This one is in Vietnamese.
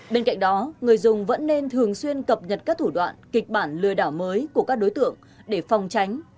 bên cạnh đó người dùng vẫn nên thường xuyên cập nhật các thủ đoạn kịch bản lừa đảo mới của các đối tượng để phòng tránh